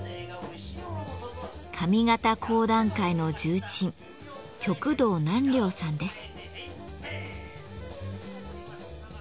上方講談界の重鎮旭堂南陵さんです。